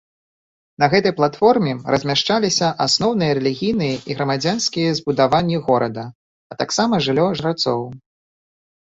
На гэтай платформе размяшчаліся асноўныя рэлігійныя і грамадзянскія збудаванні горада, а таксама жыллё жрацоў.